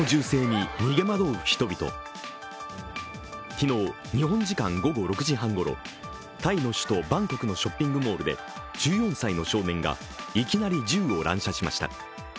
昨日、日本時間午後６時半ごろタイの首都バンコクのショッピングモールで１４歳の少年がいきなり銃を乱射しました。